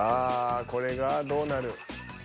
これがどうなる。